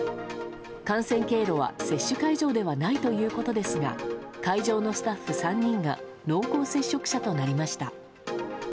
感染経路は接種会場ではないということですが会場のスタッフ３人が濃厚接触者となりました。